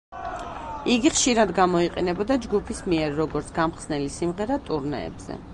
იგი ხშირად გამოიყენებოდა ჯგუფის მიერ როგორც გამხსნელი სიმღერა ტურნეებზე.